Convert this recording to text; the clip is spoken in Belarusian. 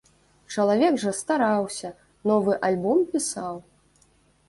Чалавек жа стараўся, новы альбом пісаў?